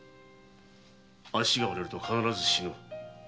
脚が折れると必ず死ぬ。